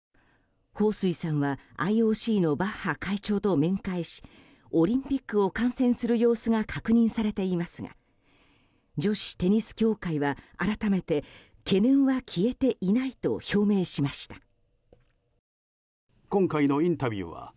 ホウ・スイさんはＩＯＣのバッハ会長と面会しオリンピックを観戦する様子が確認されていますが女子テニス協会は改めて懸念は消えていないと表明しました。